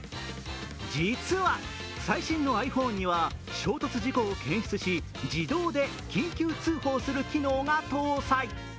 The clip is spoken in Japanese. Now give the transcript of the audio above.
実は最新のｉＰｈｏｎｅには衝突事故を検出し自動で緊急通報する機能が搭載。